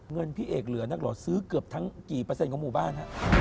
พี่เอกเหลือนักหล่อซื้อเกือบทั้งกี่เปอร์เซ็นของหมู่บ้านฮะ